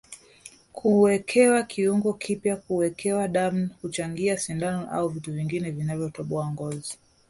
Kuwekewa kiungo kipya Kuwekewa damu kuchangia sindano au vitu vingine vinavyotoboa ngozi